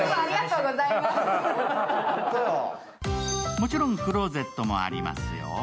もちろん、クローゼットもありますよ。